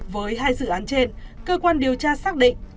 với hai dự án trên cơ quan điều tra xác định